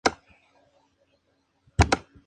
Se encuentra en el sur de Ecuador y Perú.